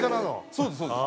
そうですそうです。